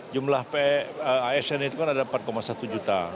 jumlah asn itu kan ada empat satu juta